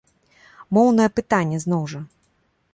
Моўнае пытанне, зноў жа.